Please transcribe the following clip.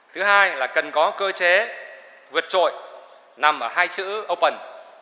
thứ hai là cần có cơ chế vượt trội nằm ở hai chữ open